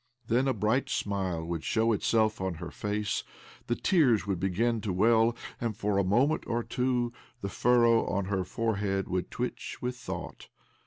Then a bright smile would show itself on her face, the tears would begin to well, and for a moment Or two the furrow on her forehead would twitch with thought.